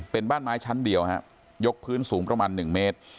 เป็นบ้านไม้ชั้นเดียวยกพื้นสูงประมาณ๑เมตร